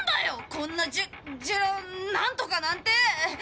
こんなジェジェラなんとかなんて！